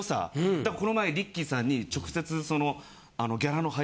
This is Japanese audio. だからこの前リッキーさんに直接。